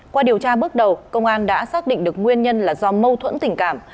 qua điều tra bước đầu công an đã xác định được nguyên nhân là do mâu thuẫn tình cảm